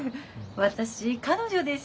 私彼女です